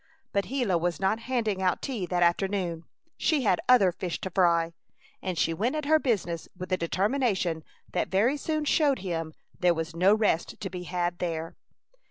But Gila was not handing out tea that afternoon. She had other fish to fry, and she went at her business with a determination that very soon showed him there was no rest to be had there.